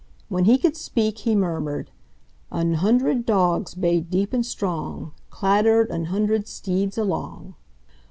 When he could speak he murmured: An hundred dogs bayed deep and strong, Clattered an hundred steeds along.